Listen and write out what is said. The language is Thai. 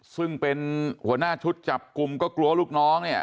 ซึ่งเป็นหัวหน้าชุดจับกลุ่มก็กลัวลูกน้องเนี่ย